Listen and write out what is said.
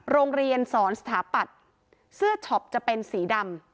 โรงเรียนสอนสถาปัตย์เสื้อช็อปจะเป็นสีดำ